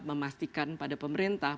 memastikan pada pemerintah